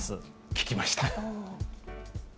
聞きました。